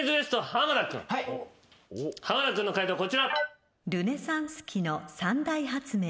濱田君の解答こちら。